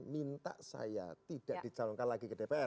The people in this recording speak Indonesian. minta saya tidak dicalonkan lagi ke dpr